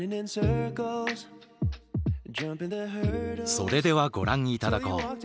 それではご覧頂こう。